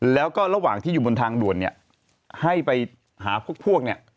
แล้วก็ระหว่างที่อยู่บนทางด่วนเนี่ยให้ไปหาพวกเนี่ย